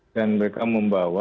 dan mereka membawa